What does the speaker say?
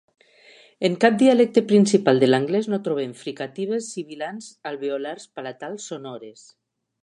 En cap dialecte principal de l'anglès no trobem fricatives sibilants alveolars palatals sonores.